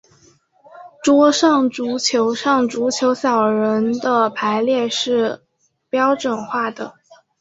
桌上足球中足球小人的排列是标准化的。